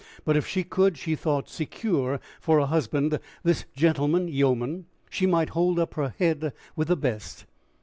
But if she could, she thought, secure for a husband this gentleman yeoman, she might hold up her head with the best.